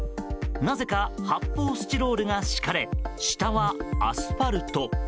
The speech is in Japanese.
なぜか、発泡スチロールが敷かれ下はアスファルト。